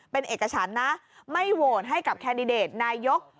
เป็นเอกฉันนะไม่โหวตให้กับแคนดิเดตนายก